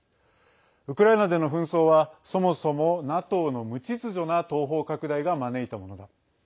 ウクライナでの紛争はそもそもＮＡＴＯの無秩序な東方拡大が招いたものだ。